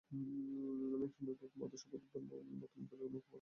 আমি এক সময়ে ভাবতাম, আদর্শ বৌদ্ধধর্ম বর্তমানকালেও অনেক উপকার করবে।